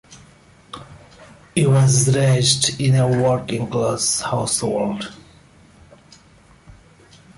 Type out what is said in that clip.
He was raised in a working-class household.